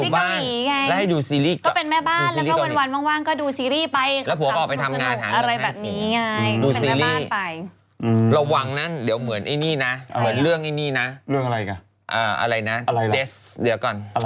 แบบนั้นเลย